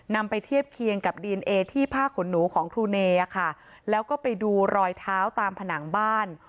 นำไปเทียบเคียงกับดีเอนเอที่ผ้าขนหนูของครูเนค่ะแล้วก็ไปดูรอยเท้าตามผนังบ้าน